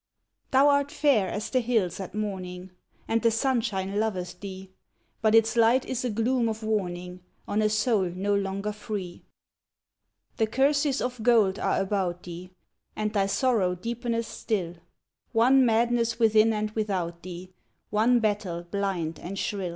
Thou art fair as the hills at morning. And the sunshine loveth thee. But its light is a gloom of warning On a soul no longer free. The curses of gold are about thee, And thy sorrow deepeneth still; One madness within and without thee. One battle blind and shrill.